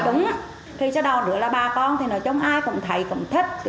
thì sau đó nữa là ba con thì nói chung ai cũng thấy cũng thích